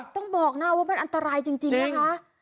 ต้องบอกนะว่ามันอันตรายจริงนะคะ